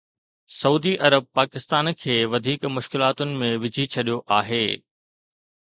سعودي عرب پاڪستان کي وڌيڪ مشڪلاتن ۾ وجهي ڇڏيو آهي